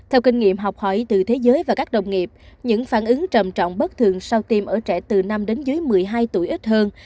hỏi từ thế giới và các đồng nghiệp những phản ứng trầm trọng bất thường sau tiêm ở trẻ từ năm một mươi hai tuổi ít hơn